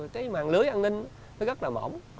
cái màn lưới an ninh nó rất là mỏng